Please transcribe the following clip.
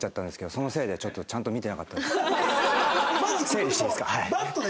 整理していいですか？